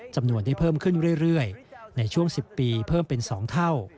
จำนวนได้เพิ่มขึ้นเรื่อยในช่วง๑๐ปีเพิ่มเป็น๒เท่า